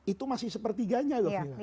itu masih sepertiganya